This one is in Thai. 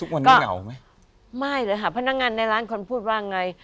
ทุกวันนี้เหงาไหมไม่เลยค่ะพนักงานในร้านคนพูดว่าไง